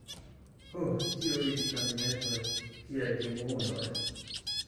Ho! tiuj knabinetoj! Kiaj demonoj!